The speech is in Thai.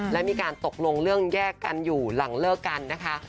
และมีการตกลงเรื่องแยกกันอยู่หลังเลิกกันนะคะ